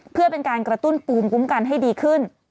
เพื่อเป็นการกระตุ้นภูมิคุ้มกันให้ดีขึ้น